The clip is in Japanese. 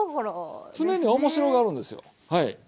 常に面白がるんですよはい。